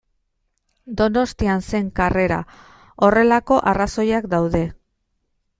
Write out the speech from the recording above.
Donostian zen karrera, horrelako arrazoiak daude.